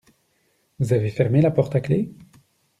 Vous avez fermé la porte à clef ?